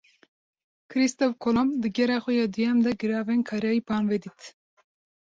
Kristof Kolomb, di gera xwe ya duyem de, Giravên Karayîpan vedît